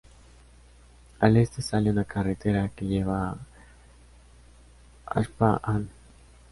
Al este sale una carretera que lleva a Hpa-An.